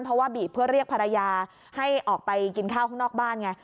เพราะว่าบีบเพื่อเรียกภรรยาให้ออกไปกินข้าวข้างนอกบ้านไง